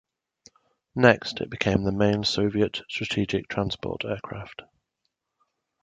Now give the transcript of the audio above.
Next it became the main Soviet strategic transport aircraft.